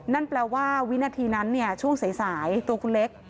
นั่นแปลว่าวินาทีนั้นช่วงสายตัวคุณเล็ก